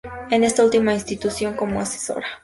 En esta última institución, como asesora.